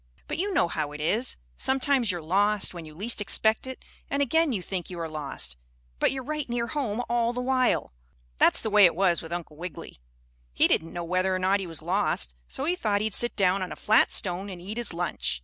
But you know how it is, sometimes you're lost when you least expect it, and again you think you are lost, but you're right near home all the while. That's the way it was with Uncle Wiggily, he didn't know whether or not he was lost, so he thought he'd sit down on a flat stone and eat his lunch.